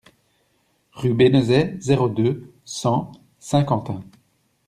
Rue Bénezet, zéro deux, cent Saint-Quentin